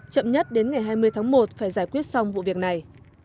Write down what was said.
chậm nhất đến ngày hai mươi tháng một phải giải quyết xong vụ việc này